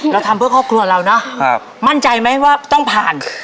เราทำเพื่อครอบครัวเราเนอะมั่นใจไหมว่าต้องผ่าน